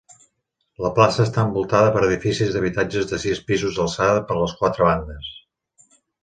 La plaça està envoltada per edificis d'habitatges de sis pisos d'alçada per les quatre bandes.